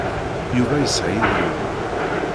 Yuba yesɛa idrimen.